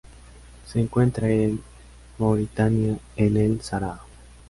Se encuentra en Mauritania en el Sáhara.